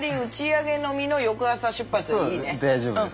大丈夫です。